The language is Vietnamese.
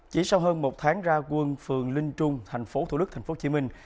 chỉ sau hơn một tháng ra quân phường linh trung thành phố thủ đức thành phố hồ chí minh